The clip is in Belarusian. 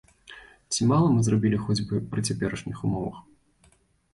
Ці мала мы зрабілі хоць бы пры цяперашніх умовах?